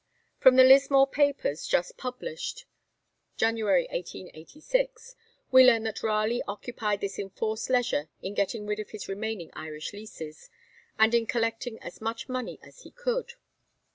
From the Lismore Papers, just published (Jan. 1886), we learn that Raleigh occupied this enforced leisure in getting rid of his remaining Irish leases, and in collecting as much money as he could.